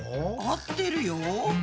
合ってるよ。